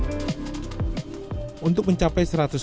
hai untuk mencapai